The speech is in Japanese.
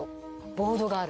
ボードがある。